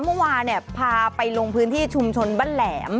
เมื่อวานพาไปลงพื้นที่ชุมชนบ้านแหลม